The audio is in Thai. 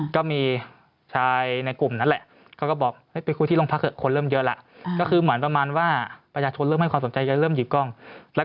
ก็มีชายในกลุ่มนั้นแหละ